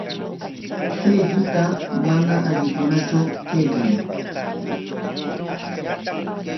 Pay lluta mana allikunatraw kaykan.